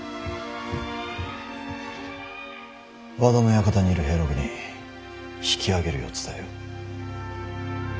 和田の館にいる平六に引き揚げるよう伝えよ。